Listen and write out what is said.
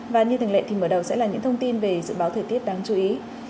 và như thường lệ thì mở đầu sẽ là những thông tin về dự báo thời tiết đáng chú ý